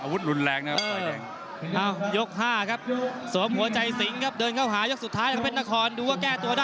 เพื่อนมันแพบเอาวุดหลุนแรงนะครับไฟแดง